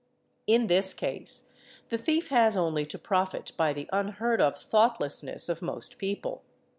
In this case the thief has only to profit by the unheard of thoughtlessness of most — people.